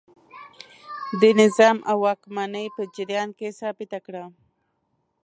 د نظام او واکمنۍ په جریان کې ثابته کړه.